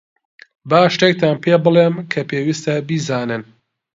با شتێکتان پێبڵێم کە پێویستە بیزانن.